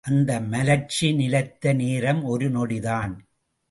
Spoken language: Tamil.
அந்த மலர்ச்சி நிலைத்த நேரம் ஒரு நொடிதான்.